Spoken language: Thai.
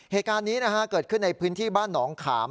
เหตุการณ์นี้เกิดขึ้นในพื้นที่บ้านหนองขาม